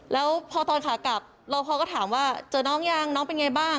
แล้วพอตอนขากลับเราพอก็ถามว่าเจอน้องยังน้องเป็นไงบ้าง